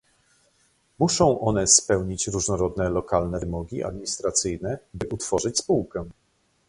Muszą one spełnić różnorodne lokalne wymogi administracyjne, by utworzyć spółkę